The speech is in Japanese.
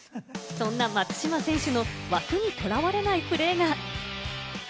そんな松島選手の枠にとらわれないプレーが。